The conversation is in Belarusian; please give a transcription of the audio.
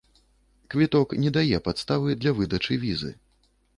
Квіток не дае падставы для выдачы візы.